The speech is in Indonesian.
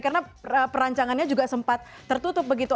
karena perancangannya juga sempat tertutup begitu